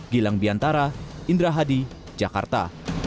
gilang biantara indra hadi jakarta